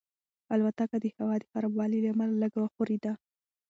الوتکه د هوا د خرابوالي له امله لږه وښورېده.